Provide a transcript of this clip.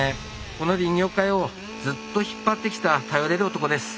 この林業界をずっと引っ張ってきた頼れる男です。